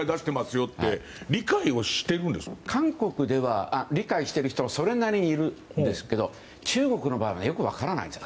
よって韓国では理解している人それなりにいるんですけど中国の場合はよく分からないんです。